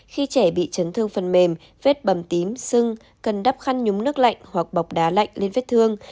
khi trẻ bị chấn thương phần mềm vết bầm tím sưng cần đắp khăn nhúng nước lạnh hoặc bọc đá lạnh lên vết thương